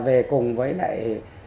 về cùng với lại